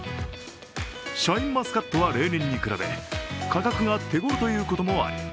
シャインマスカットは例年に比べ、価格が手ごろということもあり